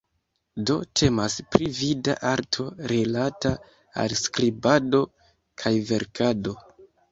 Do, temas pri vida arto rilata al skribado kaj verkado.